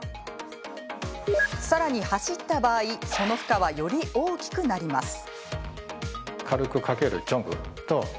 さらに、走った場合その負荷はより大きくなります。